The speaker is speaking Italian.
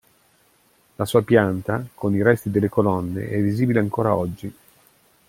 La sua pianta, con i resti delle colonne è visibile ancor oggi.